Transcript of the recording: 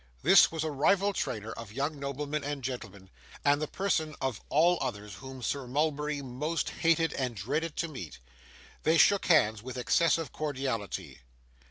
This was a rival trainer of young noblemen and gentlemen, and the person of all others whom Sir Mulberry most hated and dreaded to meet. They shook hands with excessive cordiality.